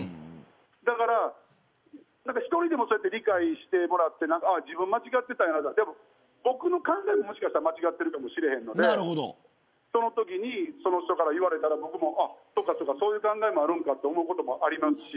だから１人でも理解してもらって自分、間違ってたんやな僕の考えも、もしかしたら間違ってるかもしれへんのでそのときにその人から言われたら僕も、そういう考えあるんだと思うこともありますし。